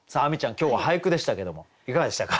今日は俳句でしたけどもいかがでしたか？